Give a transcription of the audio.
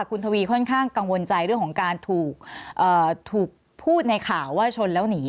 คุณทวีค่อนข้างกังวลใจเรื่องของการถูกพูดในข่าวว่าชนแล้วหนี